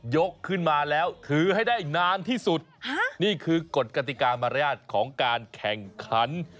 ขึ้นมาแล้วถือให้ได้นานที่สุดนี่คือกฎกติกามารยาทของการแข่งขัน